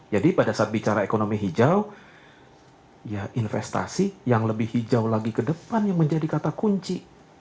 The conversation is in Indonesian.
jadi pada saat bicara ekonomi hijau ya investasi yang lebih hijau lagi ke depan yang menjadi kata kunci